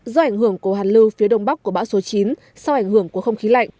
do ảnh hưởng của hàn lưu phía đông bắc của bão số chín sau ảnh hưởng của không khí lạnh